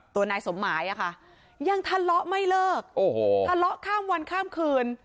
ตัวนายสมหมายอ่ะค่ะยังทะเลาะไม่เลิกโอ้โหทะเลาะข้ามวันข้ามคืน